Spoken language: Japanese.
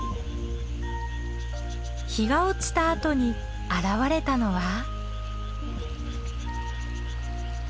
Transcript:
日が落ちたあとに現れたのは。